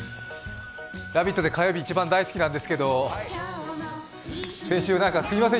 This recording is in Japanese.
「ラヴィット！」で火曜日一番大好きなんですけど、先週すみません、